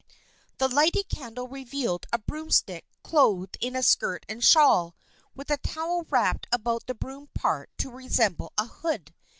The lighted candle revealed a broomstick clothed in a skirt and shawl, with a towel wrapped about the broom part to resemble a hood.